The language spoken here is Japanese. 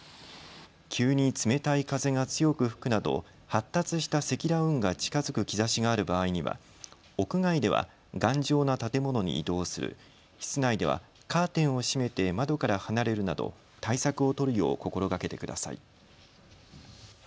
急に冷たい風が強く吹くなど発達した積乱雲が近づく兆しがある場合には屋外では頑丈な建物に移動する、室内ではカーテンを閉めて窓から離れるなど対策を取るよう心がけてください。